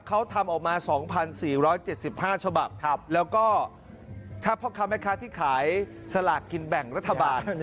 เขาทำออกมา๒๔๗๕ฉบับแล้วก็ถ้าพ่อค้าแม่ค้าที่ขายสลากกินแบ่งรัฐบาล